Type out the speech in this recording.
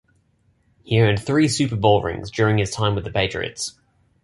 He earned three Super Bowl rings during his time with the Patriots.